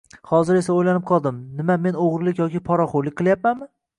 Hozir esa oʻylanib qoldim, nima men oʻgʻirlik yoki poraxoʻrlik qilyapmanmi?